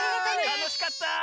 たのしかった。